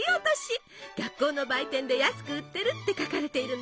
学校の売店で安く売ってるって書かれているの。